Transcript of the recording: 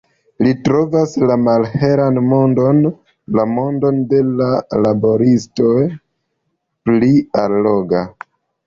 Li trovas la malhelan mondon, la mondon de la laboristoj, pli alloga.